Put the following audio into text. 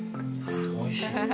おいしい？